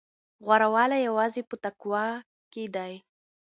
غوره والی یوازې په تقوی کې دی.